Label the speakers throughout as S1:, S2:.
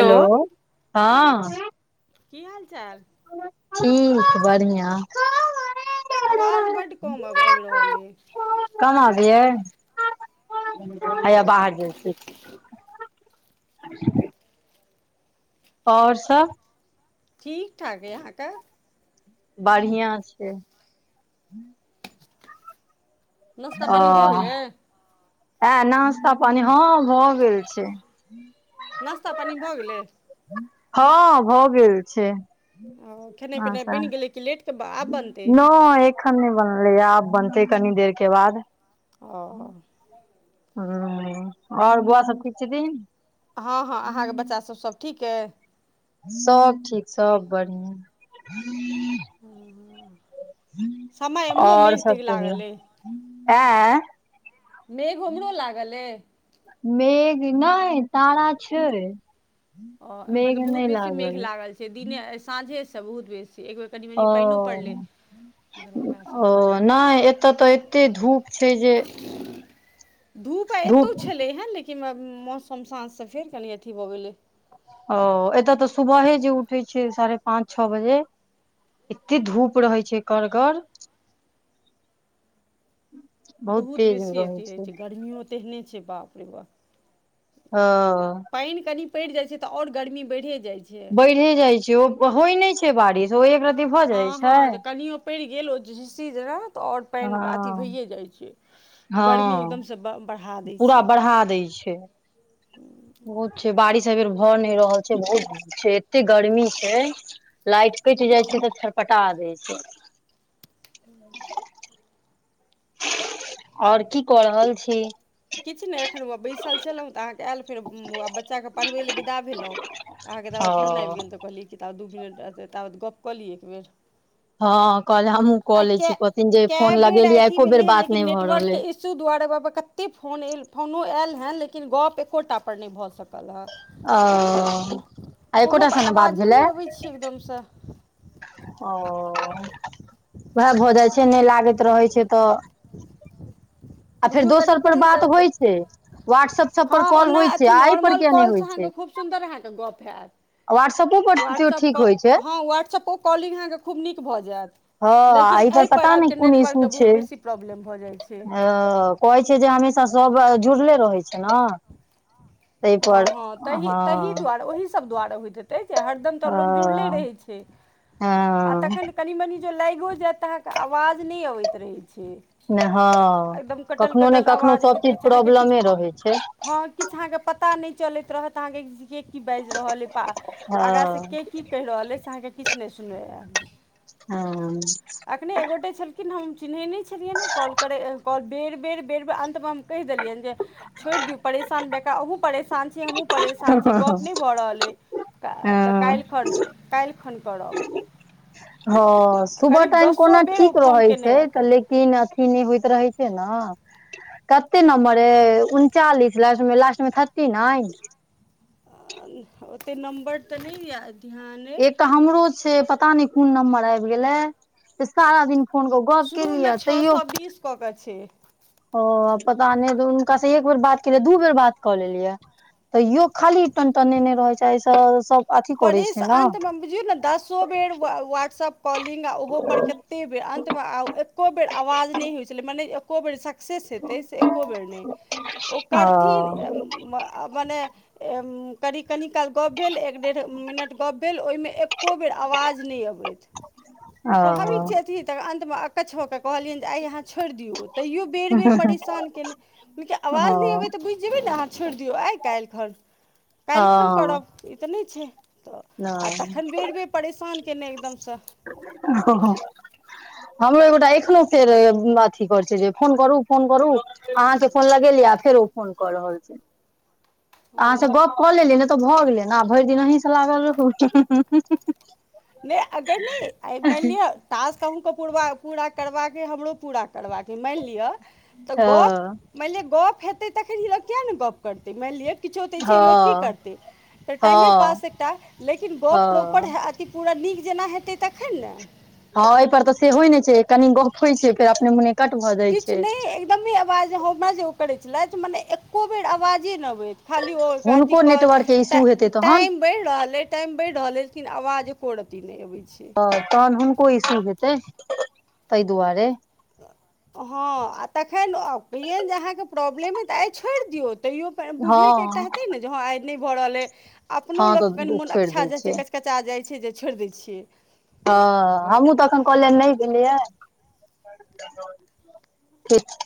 S1: Hello हँ
S2: की हाल चाल?
S1: ठीक बढ़ियाॅं।
S2: आवाज बड्ड कम अब आबि रहल अइ।
S1: कम आवैये हैयै बाहर जाइ छी एक सेकं और सब?
S2: ठीक ठाक अइ अहाँकै
S1: बढ़ियाँ छै।
S2: नश्ता पानी भऽ गेलै?
S1: ऐं नास्ता पानी हँ भऽ गेल छै।
S2: नश्ता पानि भऽ गेलै।
S1: हँ भऽ गेल छै।
S2: ओ खेनाइ पिनाइ बनि गेलै कि लेट
S1: नै एखन नहि बनलैयै आब बनतै कनी देर के बाद।
S2: ओ।
S1: ह और बौआ सब ठीक छथिन?
S2: हँ हँ अहाँके बच्चासभ सभ ठीक अई?
S1: सब ठीक सब बढ़ियाॅं
S2: समय
S1: [unintelligible]
S2: एम्हरो
S1: और
S2: मेघ तेघ
S1: सब
S2: लागल
S1: कहियौढ,
S2: अइ
S1: एंऽ।
S2: मेघ उम्हरो लागल अई?
S1: मेघ नहि तारा छै
S2: ओ एम्हर
S1: मेघ
S2: तऽ बहुत
S1: नहि
S2: बेसी मेघ
S1: लागल अइ।
S2: दिने आइ साँझेस बहुत बेसी एक बेर कनि मनि
S1: ओ
S2: पानिओ पड़लै दरभंगा
S1: ओ
S2: सभमे
S1: नहि एतऽ तऽ एत्ते धूप छै जे
S2: धूप आइ एतौ छलैहैं लेकिन मौसम साँझस फेर कनि अथी भऽ गेलै।
S1: ओ एतय तऽ सुबहे जे उठै छियै साढ़े पाँच छओ बजे एते धूप रहै छै करगर
S2: बहुत बेसी अथी हइ छै गर्मियो तेहने छै बाप रे बाप।
S1: हॅं।
S2: पाइन कनि पड़ि जाइ छै तऽ और गर्मी बैढ़े जाइ छैय।
S1: बैढ़े जाइ छैइ ओ होइ नहि छै बारिश ओ एक रती भऽ
S2: हँ
S1: जाइ
S2: हँ जे
S1: छैई
S2: कनियो पड़ि गेल ओ झिस्सी जेना त और पानि अथी
S1: हँ
S2: भईये जाय छै। गर्मी
S1: हँ
S2: एकदमसँ बढ़ा दै
S1: पूरा
S2: छै
S1: बढ़ा दैइ छैई। बहुत छै बारिश एहिबेर भऽ नहि रहल छैइ बहुत छैइ एते गर्मी छैइ। लाइट कटि जाइ छैइ तऽ छरपटा दै छैई। और की कऽ रहल छी?
S2: किछ नहि एखन ओ बैसल छलहुँ त अहाँकेँ आयल फेर ओ बच्चाकेँ पढ़बै लेल विदा भेलहुँ। अहाँके
S1: ओ
S2: ताबेद फोन आबि गेल त कहलियी जे ताबत दू मिनट रहत ताबेद गप्प क ली एक बेर।
S1: हँ कहले हमहूँ कऽ
S2: आई
S1: लै
S2: कै
S1: छी कहथिन जे
S2: के
S1: फोन
S2: बेर
S1: लगेलियै
S2: अथि
S1: एको बेर
S2: भेलेया
S1: बात
S2: लेकिन
S1: नहि भऽ
S2: नेटवर्क
S1: रहलै
S2: के इसु दुआरे बाबा कतेक फोन फोनो आयल हेँ लेकिन गप एकोटा पर नहि भ सकल हँ।
S1: ओ आय
S2: कोनो
S1: एकोटा
S2: पर
S1: स ने बात
S2: आवाजे
S1: भेलै।
S2: नहि अबै [unintelligible]
S1: ओ उएह भ जाइ छैय नय लागैत रहै छैय त। । [inaudible] आ फेर
S2: बुझियौ
S1: दोसर
S2: करीब
S1: पर
S2: करीब
S1: बात होइ
S2: करीब
S1: छैय वॉट्सप सब पर
S2: हँ
S1: कॉल
S2: ओना
S1: होइ छैय
S2: अथी
S1: आ एय पर
S2: नॉर्मल
S1: किया नहि बात
S2: कॉलसँ
S1: होइ
S2: अहाँके
S1: छैय।
S2: खूब सुन्दर अहाँके गप हैत।
S1: व्ट्सअपो पर ठीक होइ छैय।
S2: व्हाट्सपो कॉलिंग अहाँके खूब नीक भ जैत।
S1: हँ
S2: लेकिन
S1: एहि पर
S2: एहिपर
S1: पता
S2: आबिके
S1: नहि कोन इशू
S2: नेटवर्कके बहुत
S1: छै
S2: बेसी प्रॉब्लम भ जाइ छैय।
S1: अ कहै छैय जे हमेशा सब जुड़ले रहै छैय ना।
S2: हँ- हँ तहि -तहि
S1: हँ
S2: दुआरे ओहि स सब दुआरे होइत हेतई जे हरदम
S1: ह
S2: त लोक जुड़ले रहै छैय आ
S1: हँ
S2: तखनि कनि मनि जे लैगो जैत त अहाँके आवाज नै अबैत रहै छैय।
S1: हँ कखनो ने कखनो
S2: आवाज
S1: सब
S2: अबैत
S1: चीज प्रॉब्लमे रहै छैय।
S2: किछ अहाँके पता नहि चलैत रहत अहाँके के की बाजि रहल अइ आगाँ से
S1: हँ
S2: के कि की कहि रहल अइ से अहाँकेँ किछ नहि सुनैत।
S1: हँ।
S2: अखने एगोटे छलखिनँ हम चिन्हैय नय छलियैनि हँ कॉल करै कॉल बेर- बेर, बेर -बेर अन्तमे हम कहि देलियअनि जे छोड़ि दियौ परेशान बेकार अहु परेशान छी हमु परेशान छी गप नहि भ रहल अइ त
S1: हँ
S2: काल्हि खन, काल्हि खन करब।
S1: हँ सुबह
S2: करीब
S1: टाइम
S2: दसो
S1: कोना
S2: बेर ओ
S1: ठीक
S2: फोन
S1: रहै
S2: केने
S1: छैय त
S2: हेतथि
S1: लेकिन तीन अथी नहि होइत रहै छैय ने। कते नम्बर अए उनचालिस लास्ट मे लास्ट मे थर्टीनाइन।
S2: ओतेक नम्बर त नै याद-
S1: एकटा हमरो छैय पता नय कोन नम्बर आबि गेलै से सारा दिन फोन क गोप केलियै तैयौ
S2: कऽकऽ छैय।
S1: ओ पता नय त हुनका से एक बेर बात केलियै दू बेर बात क लेलिया। तइयो खाली टनटनेने रहेय छैय सब सबअथि करय
S2: परेश
S1: छैय ने।
S2: अन्तमे बुझियौ ने दसो बेर वाट्सप कॉलिंग आ ओहोपर कते बेर अन्तमे आउ एको बेर आवाज नहि होइत छलै मने एको बेर सक्सेस हेतै से एको बेर नहि ओ करथिन। मने अ कनी कनी काल गप भेल एक मिनट गप भेल ओइमे एकोबेर आबज नय अबैत
S1: ओ
S2: सोभाबिक अथी त अन्तमे अकछ भ क कहलियनि जे आइ अहाँ छोड़ि दियौ तैयो बेर- बेर परेशान कयने। देखियौ आवाज नहि
S1: हँ
S2: अबै त बुझि जेबै ने अहाँ छोड़ि दियौ आइ, काल्हि खन काल्हि खन
S1: हँ
S2: करब। इ त नहि छैय आ
S1: नहि
S2: तखन बेर-बेर परेशान केने एकदम स।
S1: [inaudible] हमरो एगोटा एखनो फेर अथी करै छैय जे फोन करू, फोन करू। अहाँ के फोन लगेलियै आ फेर ओ फोन क रहल छैय। अहाँ से
S2: हँ
S1: गप क लेलियै न त भ गेलै ने आ भरि दिन अहींसँ लागल रहू।
S2: नै अगर नै मानि लिअ। टास्क अहुंके पूरा करबाके अइ हमरो पूरा करबाक अइ मानि लिअ। तऽ
S1: हँ
S2: गप्प मानि लिअ गप्प हेतै तखन ई लोक किया नहि ने गप्प करतै मानि लिअ। किछो देय छए लोक की
S1: हँ
S2: करतै फेर टाइमे
S1: हँ
S2: पास एकटा, लेकिन गप प्रोपर
S1: हँ
S2: हैत। ई पूरा नीक जेना हेतै तखन ने।
S1: आ हँ एहि पर तऽ से होय नै छै कनी गप होइ छै फेर अपने मुने।
S2: किछु नहि एकदमें आवाज हमरा जे ओ करैत छलथि मने एको बेर आवाजे नहि अबैत। खाली ओ ओकरा अथि
S1: हुनको
S2: कॉल,
S1: नेटवर्क के इशू
S2: टा
S1: हेतै तहन
S2: टाइम। बढ़ि रहल अइ टाईम बढ़ि रहल अई लेकिन आवाज एकोर रत्ती नहि अबैत छै।
S1: हा तहन हुनको इशू हेतैन तै दुआरे।
S2: हँ आ तखन कहियैन जे अहाँके प्रॉब्लम अइ तऽ आइ छोड़ि दियौ तैयो हा
S1: हँ
S2: बुझेय के एकटा हैतै ने जे हं आई नई भ रहल अए अपनो
S1: हँ
S2: लोक
S1: तऽ
S2: कनिमोन
S1: छोड़ि
S2: अकछा
S1: दै
S2: जाय छइ।
S1: छियै
S2: अकछा जाइत छै जे छोड़ि दै छियै।
S1: हं हमहु तखैन कहलियैन नै लिय। ठीक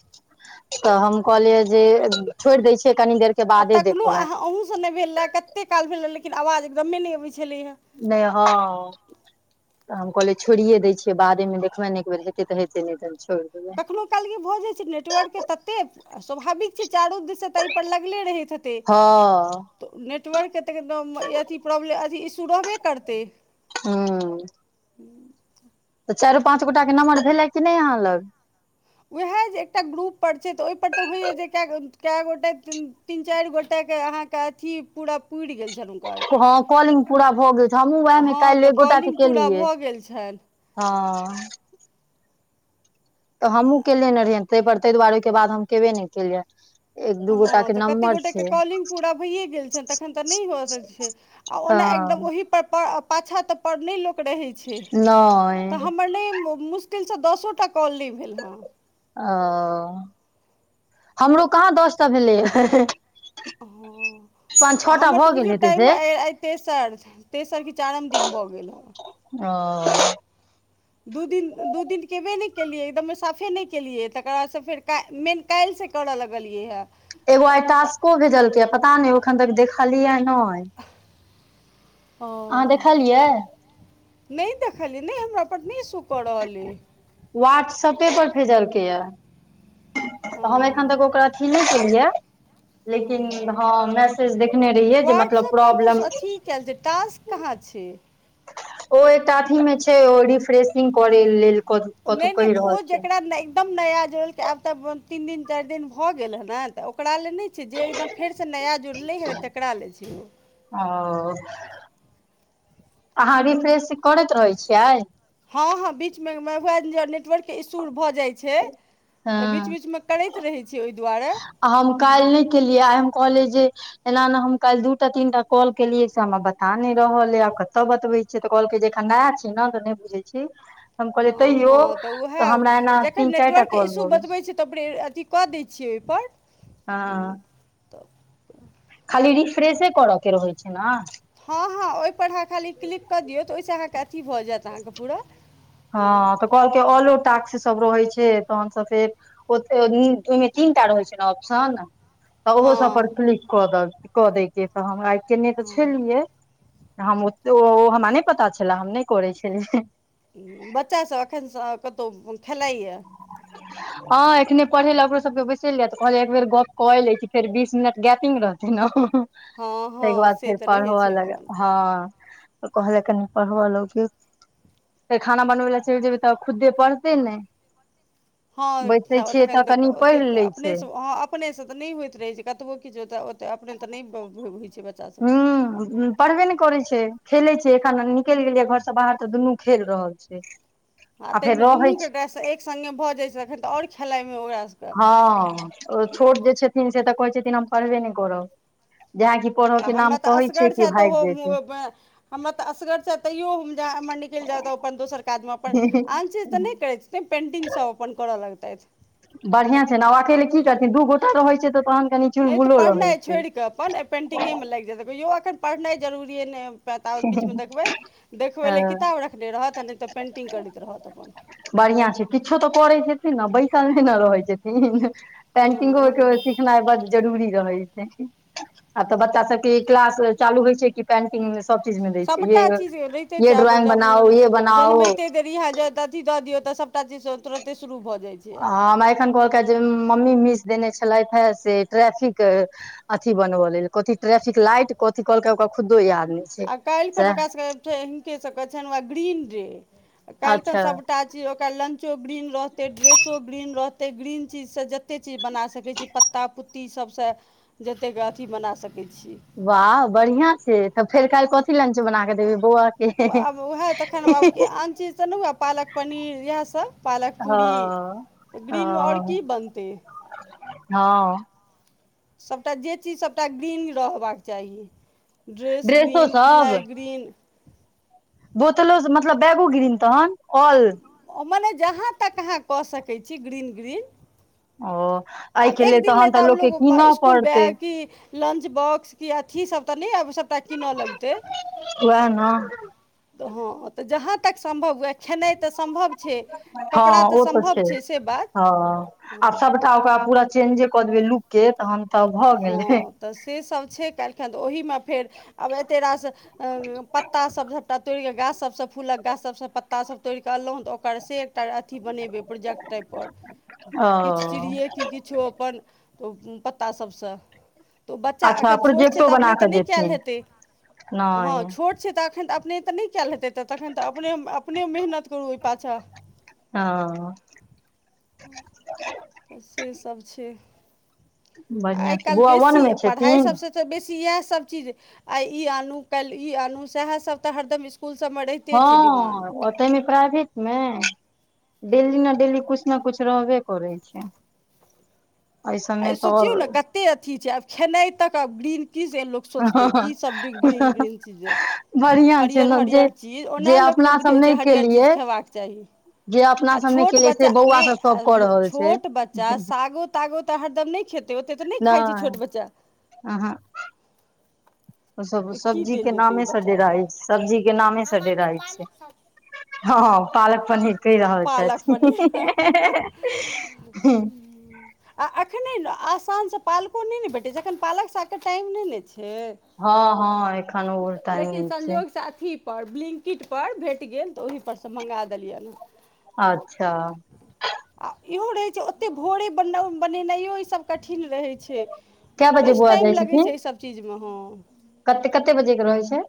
S1: तऽ हम कहलियै जे छोड़ि दै छियै कनि देर। के बादे देखलौं।
S2: नैय भेला कते काल भेले लेकिन आवाज एकदमे नहि अबै छलैहे।
S1: नै हँ। हम कहलियै छोड़िये दै छियै, बादे मे देखबै ने एक बेर, हेतै तऽ हेतै नै त छोड़ि देबै
S2: कखनहु काल के भऽ जाइ छै नेटवर्क के ततेक स्वाभाविक छै चारू दिससे तऽ एहि पर लगले रहैत हेतै।
S1: हँ।
S2: नेटवर्क के तऽ एकदम अथी प्रॉब्लम अथी इशू रहबे करतै।
S1: हूं। तऽ चारि पाँच गोटा के नम्बर भेलै कि नहि अहाँ लग?
S2: उएह जे एकटा ग्रुप पर छै तऽ ओहिपर तऽ होइए जे कए - कए गोटे तीन चारि गोटा के अहा के अथी पूरा पूरि गेल छनि हुनकर
S1: हँ कॉलिंग पूरा भऽ गेल छै, हमहूँ उएहमे
S2: हँ
S1: काल्हि
S2: तऽ
S1: एक गोटा के
S2: कॉलिंग पूरा
S1: केलियै।
S2: भऽ गेल छनि
S1: हँ। तऽ हमहूँ केने रहियैन, तै पर तैय दुआरे ओहिके बाद हम केबे नै केलियैन।
S2: हँ तऽ कते गोटेके कॉलिंग पूरा भइए गेल छनि तखन तऽ नै भ सकै छै। आ ओना एकदम
S1: हँ
S2: ओहि पाछाँ तऽ नहि लोक रहै छै। तऽ
S1: नहि
S2: हमर नहि मुश्किलसँ दसो टा कॉल नहि भेल हँ।
S1: ओ हमरो कहाँ दस टा भेलैये।
S2: ओ। आ हमर तऽ
S1: भऽ गेल
S2: बुझियौ
S1: हेतै से
S2: टाइमो इ आइ तेसर तेसर कि चारिम दिन भऽ गेल हँ।
S1: ओ।
S2: दू दिन दू दिन केबे नहि केलियै एकदम साफे नहि केलियै तकर बादसँ फेर मेन काल्हि से करऽ लगलियै ह
S1: एगो आइ टास्को भेजलकै पता नहि एखन तक देखलियै नै।
S2: ओ,
S1: देखलियै
S2: नै देखलियै नहि हमरा पर नहि शो कऽ रहल अइ।
S1: व्हाट्सएपे पर भेजलकै ये
S2: ओ
S1: त हम एखन तक ओकरा फिल नै केलियै। लेकिन हँ मैसेज देखने रहियै जे मतलब प्रॉब्लम
S2: कल छै टास्क कहाँ छै।
S1: ओ एकटा अथी मे छै ओ रिफ्रेशिंग करै लेल कथी
S2: नै-नै तऽ ओ जेकरा नै एकदम नया जोड़ल कै आब तऽ तीन दिन चार दिन भ गेल हे नै तऽ ओकरा ले नै छै जे एकदम फेर से नया जुड़लै हें नै तकरा लै छै उ।
S1: औ अहाँ रिफ्रेश करैत रहै छियै?
S2: हां-हां बीच मे मे वैह जे नेटवर्क के इश्यू भऽ जाए छै तऽ बीच-बीच मे करैत रहै छीयै ओय दुआरे
S1: आ हम काएल नै केलियै, आइ हम कहलिए जे एना में हम काएल दूटा तीनटा कॉल केलियै से हमरा बता नै रहल यै कतय बतबै से तऽ कहलकै जे ऐखन नया छी नै तऽ नै बुझय छी। हम कहलिए
S2: हँ
S1: तईयो
S2: हँ उएह
S1: तऽ हमरा एना तीन चारटा कॉल भऽ गेल छै।
S2: त [unintelligible] अथी कऽ दै छियै ए पर
S1: हां। खाली रिफ्रेशे करा के रहै छै नै?
S2: हां-हां ओय पर अहाँ खाली क्लिक कऽ दियौ तऽ ओय से अहाँके अथी भऽ जाएत अहाँके पूरा,
S1: हँ
S2: हां।
S1: तऽ कहलकै ऑलो टाक्स ई सब रहै छै तहन से फेर ओता उम्म ओय मे तीनटा रहै छै नै ऑप्शन? तऽ उहो सब पर
S2: हँ
S1: क्लिक कऽ द कऽ क दै के तऽ हम आय केने तऽ
S2: हँ
S1: छलियै। हम ओ ओ हमरा नै पता छलै हम न करै छलिए।
S2: बच्चा सब एखन सँ कतो उम्म खेलाए यै?
S1: [unintelligible] हां एखने पढ़े लै ओकरो सबके बैसेलिए तऽ कहलिए एक बेर गप कऽ ए लै छी फेर बीस मिनट गैपिंग रहते न
S2: हँ
S1: तै
S2: हँ
S1: के बाद
S2: से
S1: फेर
S2: तऽ रहै
S1: पढ़वा
S2: छै
S1: लगै
S2: अपन
S1: हां त कहलिए कनि पढ़वा [unintelligible] फेर खाना बनबै लै चैल जेबै तब खुद्दे पढ़ते नै
S2: हां खै ओ तखैन
S1: तऽ कनि
S2: त
S1: पढ़ि
S2: ओतेक
S1: लै
S2: अपने
S1: छै
S2: सँ अहाँ अ अपने से तऽ नै होएत रहै छै कतबो किछु तै ओतय अपने त नै [unintelligible] होय छै बच
S1: हूं उ पढ़बे नै करै छै, खेले छै एखन निकैल गेल यै घर से बाहर तऽ दुनू खेल रहल छै।
S2: आ तै
S1: फेर
S2: मे दुनू
S1: रहै
S2: के
S1: छै
S2: टास्क एक संगै भऽ जाए छै तखन तऽ और खेलाइ मे ओकरा से
S1: हां ओ छोट जे छथिन से तऽ कहै छथिन हम पढ़बे नै करब [unintelligible] की
S2: आ हमरा तऽ असगर छैथ तऽ उहो-उहो मे हमरा तऽ असगर छै तैयो हम जा इम्हर निकैल जाउ तऽ अपन दोसर काजमे अपन आन चीज तऽ नै करै छ नै पेन्टिंग सब अपन करऽ लगतैथ
S1: बढ़िया छै नै आब अकेले की करथिन दू गोटा रहय छै तऽ तहन कनि
S2: नै तऽ
S1: चुलबुलो रहै
S2: पढ़नाय
S1: छै
S2: छोड़ के अपन ए पेन्टिंगे मे लाएग जाएत, ईहो एखन पढ़नाय जरूरीए नै ता उ बीच मे देखबै-देखबै
S1: हँ
S2: लै किताब रखने रहत आ नै तऽ पेंटिंग करैत रहत अपन।
S1: बढ़िया छै, किछो तऽ करै छथिन नै बैसल नै न रहै छथिन। पेंटिंगो के
S2: हँ,
S1: ओ सिखनाय बड्ड जरूरी रहै छै। आब तै बच्चा सबके क्लास चालू होय छै कि पेंटिंग मे सब चीज दै छै ये
S2: सबटा चीज रहते छै,
S1: ये
S2: आब
S1: ड्रॉइंग
S2: जब
S1: बनाओ
S2: उम्म
S1: ये बनाओ
S2: जन्मैते [unintelligible] अथी द दियौ तऽ सबटा चीज तै तुरते शुरू भऽ जाय छै। आब
S1: हां हमरा एखन कहलके जे मम्मी मिस देनय छलैथ ए से ट्रैफिक अथी बनबा लेल कथी ट्रैफिक लाइट कथी कहल के ओकरा खुद्दे याद नै छै।
S2: आ काएलखन
S1: सएह
S2: ओकरा सके फेर हिनके सबके छैन वैह ग्रीन डे काएलखन
S1: अच्छा
S2: सबटा ची ओकरा लंचो ग्रीन रहतै, ड्रेसो ग्रीन रहतै, ग्रीन चीज से जते चीज बना सकय छी, पत त्ता -पुत्ती सबसँ जतेक अथी बना सकै छी।
S1: वाह, बढ़ियां छै, तऽ फेर काइल कथी लंच बना क देबै बौआ क?
S2: आब उहैऽह तखन आब आन चीज तऽ नै उहैऽए पालक पनीर इहैए सभ पालक पूरीऽ
S1: हँ
S2: ग्रीनमे और
S1: ओ
S2: की बनतै?
S1: हँ-
S2: सभटा जे चीज सभटा ग्रीन रहबाक चाही। ड्रेस
S1: ड्रेसो
S2: ग्रीन
S1: सब
S2: खेनाइ ग्रीन
S1: बोतलो स- मतलब बैगो गिरिन तहन ऑल
S2: ओ मने जहाँ तक अहाँ कऽ सकैत छी ग्रीन- ग्रीन
S1: ओ-
S2: आब
S1: एहिके
S2: एक
S1: लेल
S2: दिन लैऽ
S1: तहन
S2: तऽ ओ
S1: लोकके
S2: लो
S1: कीनऽ
S2: इसकुल
S1: पड़तै
S2: बै- कि लंच बॉक्स कि अथीसभ तऽ नय आब सभटा कीन लगतै।
S1: वैह न
S2: त हँ तऽ जहाँ तक सम्भव हुएऽ खेनाइ तऽ सम्भव छै, कपड़ा तऽ सम्भव छै से बात।
S1: टा-ओकरा पूरा चेंजे कऽ देबै लुक्के तहन तऽ भऽ गेलै।
S2: हँ तऽ से सब छै काल्हिखन, तऽ ओहिमे फेर, आब एते रास अ-पत्तासभ सभटा तोइर कऽ, गाछसभसँ फूलक गाछसभ पत्तासभके तोइड़ कऽ अनलहुँ तऽ, ओकर शेक टा अथी बनेबै प्रोजेक्ट टाइप पर
S1: ओ
S2: किछ चिड़िए कि किछो अप्पन ओ पत्ता सबसँ। तऽ ओ बच्चा
S1: अच्छा
S2: अखन छोट छै
S1: प्रोजेक्टो
S2: तऽ
S1: बना
S2: अपने
S1: कऽ
S2: तऽएखन नय कैल
S1: जेथिन
S2: हेतै। हँ
S1: नहि
S2: छोट- छैतऽ एखन तऽ अपने तऽ नै कैल हेतै तऽ तखन तऽ अपने -अपने मेहनत करू ओय पाछा
S1: हँ-
S2: से सब छै। आइ
S1: बढ़िआँ छै
S2: काइल
S1: बौआ वन
S2: बेसी
S1: मे
S2: पढ़ाइ
S1: छथिन
S2: सभसँ स बेशी यैह सब चीज आइ ई आनू काइल ई आनू सैहे सब त हरदम इसकूल सब में रहिते छै डिमांड
S1: हँ ओतैइमे प्राइभेट मे, डेली न डेली कुछ न कुछ रहबे करै छै। [inaudible]
S2: आय
S1: तऽ
S2: सोचियौ
S1: आओर
S2: ने कत्ते अथी छै आब खेनाइ तक आब ग्रीन की से लोक सोचतै की सब ड- ग्रीन -ग्रीन चीज
S1: बढ़िआँ छै
S2: हरियर
S1: ने जे
S2: हरियर चीज
S1: जे
S2: ओना लोक ने
S1: अपना सब
S2: बुझै छै
S1: नहि
S2: हरियर चीज
S1: केलियै
S2: खेबाक चाही।
S1: जे अपना
S2: आ
S1: सब नहि
S2: छोट
S1: केलियै से
S2: बच्चा
S1: बौआ
S2: नय
S1: सब सब कऽ रहल छै
S2: अ-छोट बच्चा सागो -तागो त हरदम नय खेतै ओते तऽ नइ खाइ छै छोट
S1: नहि
S2: बच्चा
S1: अहाँ ओ सब
S2: तऽ की
S1: सब्जी
S2: देल
S1: के
S2: जेतै ओ
S1: नामे स
S2: बच्चाके
S1: डेराय छै। सब्जी के नामे स डेराय छै। हँ हं पालक पनीर कै रहल
S2: पालक
S1: छथि।
S2: पनीर
S1: हे-
S2: आ एखन नै आसानसँ पालको नय ने भेटै छै, एखन पालक सागके टाइम नय ने छय।
S1: हँ हँ एखन ओ टाइम
S2: लेकिन
S1: नहि छै
S2: संजोग स अथी पर ब्लिंकिटपर भेट गेल तऽ ओहिपर सँ मङ्गा देलियैनहँ।
S1: अच्छा।
S2: आ इहो रहै छै ओत्ते भोरे बन-बनेनाइयो ईसभ कठिन रहै छै।
S1: कए बजे
S2: बेस
S1: बौआ
S2: टाइम लगै छै अय सभ चीजमे हं।
S1: कत्ते कत्ते बजे के रहै छै?